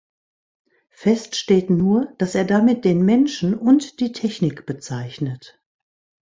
Fest steht nur, dass er damit den Menschen und die Technik bezeichnet.